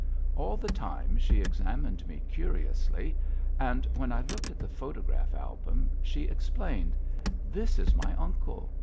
All the time she examined me curiously and when I looked at the photograph album she explained: "This is my uncle....